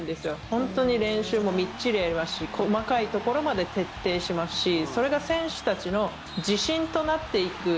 本当に練習もみっちりやりますし細かいところまで徹底しますしそれが選手たちの自信となっていく。